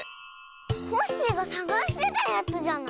コッシーがさがしてたやつじゃない？